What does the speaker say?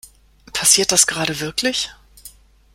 Passiert das gerade wirklich?